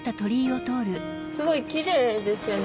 すごいきれいですよね！